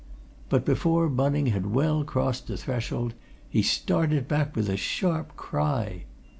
But before Bunning had well crossed the threshold he started back with a sharp cry.